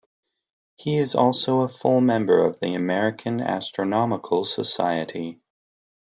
He is also a Full Member of the American Astronomical Society.